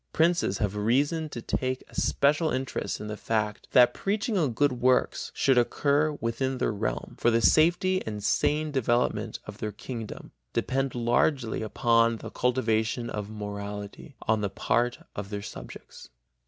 Princes have reason to take a special interest in the fact that preaching on good works should occur within their realm, for the safety and sane development of their kingdom depend largely upon the cultivation of morality on the part of their subjects.